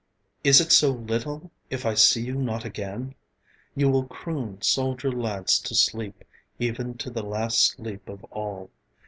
Is it so little if I see you not again? You will croon soldier lads to sleep, Even to the last sleep of all.